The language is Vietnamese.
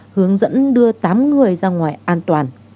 hướng dẫn đưa tám người ra ngoài an toàn